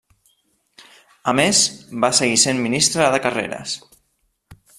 A més, va seguir sent Ministre de Carreres.